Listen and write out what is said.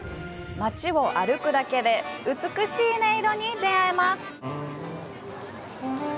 街を歩くだけで美しい音色に出会えます。